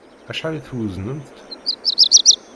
Acḥal i tweznemt?